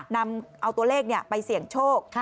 นำเอาตัวเลขไปเสี่ยงโชค